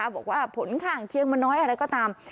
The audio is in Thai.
บอกว่าผลข้างเคียงมันน้อยอะไรก็ตาม